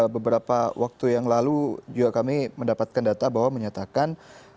beberapa waktu yang lalu juga kami mendapatkan data bahwa menyatakan